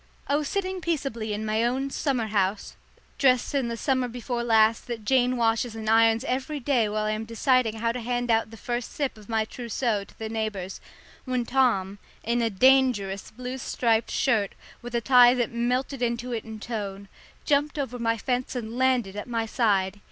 I was sitting peaceably in my own summer house, dressed in the summer before last that Jane washes and irons every day while I am deciding how to hand out the first sip of my trousseau to the neighbours, when Tom, in a dangerous blue striped shirt, with a tie that melted into it in tone, jumped over my fence and landed at my side.